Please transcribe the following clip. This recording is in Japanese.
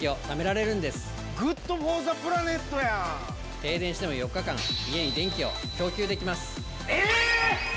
停電しても４日間家に電気を供給できます！